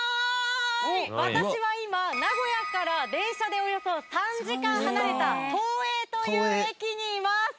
私は今名古屋から電車でおよそ３時間離れた東栄という駅にいます。